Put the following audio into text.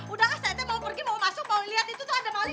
udah asetnya mau pergi mau masuk mau liat itu tanda maling